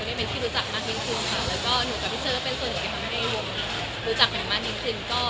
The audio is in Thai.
ไม่ว่านะคะเพราะว่ามันหนักมันคนละแนวหนึ่ง